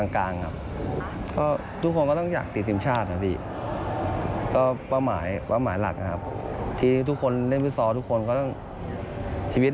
มนุชาเจอมูลข่าวไทยรัตร์ทีวี